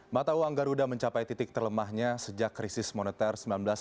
mata uang garuda mencapai titik terlemahnya sejak krisis moneter seribu sembilan ratus sembilan puluh